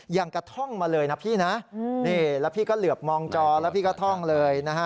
ยังกระท่องมาเลยนะพี่นะนี่แล้วพี่ก็เหลือบมองจอแล้วพี่ก็ท่องเลยนะฮะ